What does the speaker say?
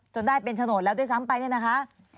ได้เป็นโฉนดแล้วด้วยซ้ำไปเนี่ยนะคะ